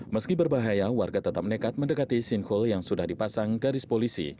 meski berbahaya warga tetap nekat mendekati sinkhole yang sudah dipasang garis polisi